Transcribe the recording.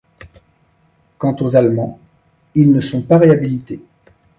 Quant aux Allemands, ils ne sont pas réhabilités.